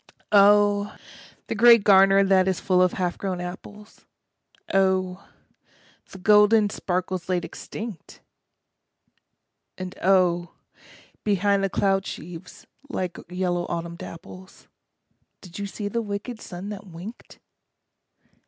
Oh, the grey garner that is full of half grown apples, Oh, the golden sparkles laid extinct ! And oh, behind the cloud sheaves, like yellow autumn dapples, Did you see the wicked sun that winked?